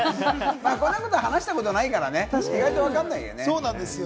こういうことは話したことないからね、意外とわからないよね。